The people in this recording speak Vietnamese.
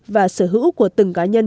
và sở hữu của từng cá nhân